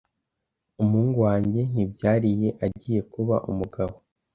umuhungu wanjye nibyariye agiye kuba umugabo,